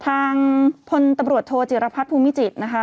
ทางพลตำรวจโทจิรพัฒน์ภูมิจิตรนะคะ